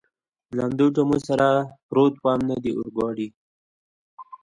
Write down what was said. لوندو جامو سره پروت ووم، نه د اورګاډي.